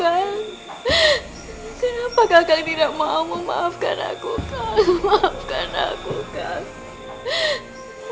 kenapa kagak tidak mau memaafkan aku kak